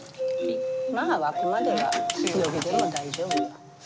まあ沸くまでは強火でも大丈夫よ。